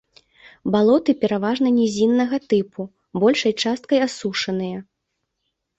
Балоты пераважна нізіннага тыпу, большай часткай асушаныя.